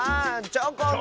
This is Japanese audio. チョコン！